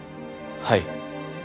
はい。